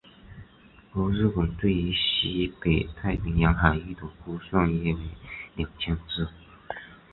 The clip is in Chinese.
而日本对于西北太平洋海域的估算约为二千只。